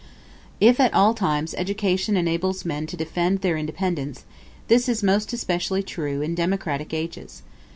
If at all times education enables men to defend their independence, this is most especially true in democratic ages.